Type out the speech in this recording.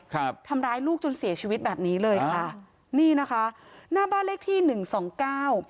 ทำร้ายลูกจนเสียชีวิตแบบนี้เลยค่ะนี่นะคะหน้าบ้านเลขที่หนึ่งสองเก้า